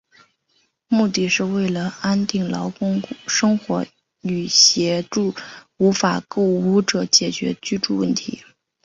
目的是为安定劳工生活与协助无法购屋者解决居住问题。